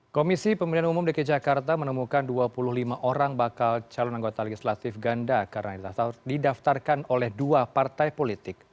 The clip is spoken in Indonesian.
komisi pemilihan umum dki jakarta menemukan dua puluh lima orang bakal calon anggota legislatif ganda karena didaftarkan oleh dua partai politik